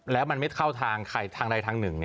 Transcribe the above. แล้วมันไม่เข้าทางทางใดทางหนึ่ง